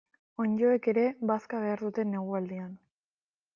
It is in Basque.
Onddoek ere bazka behar dute negualdian.